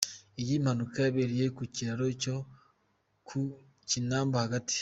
Iyi mpanuka yabereye ku Kiraro cyo ku Kinamba hagati.